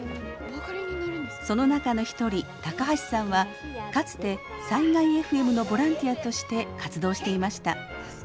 その中の一人高橋さんはかつて災害ＦＭのボランティアとして活動していました。